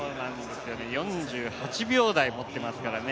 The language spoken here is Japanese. ４８秒台持っていますからね。